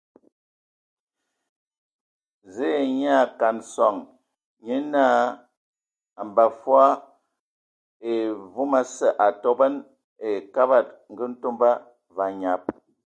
Zǝǝ nyaa a kana sɔŋ, nye naa a mbaa fɔɔ e vom osǝ a atoban ai Kabad ngǝ Ntomba, və anyab.